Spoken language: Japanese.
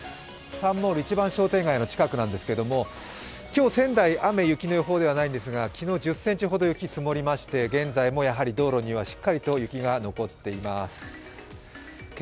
サンモール一番商店街の近くなんですけれども、今日、仙台、雨・雪の予報ではないんですが、昨日１０ｃｍほど雪が積もりまして、現在も道路にはしっかりと雪が残っています。